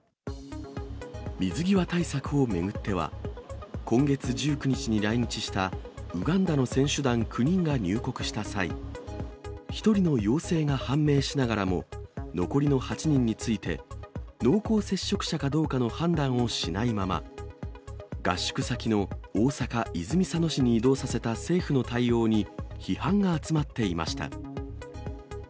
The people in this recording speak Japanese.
水際対策を巡っては、今月１９日に来日したウガンダの選手団９人が入国した際、１人の陽性が判明しながらも、残りの８人について、濃厚接触者かどうかの判断をしないまま、合宿先の大阪・泉佐野市に移動させた政府の対応に、批判が集まっていました。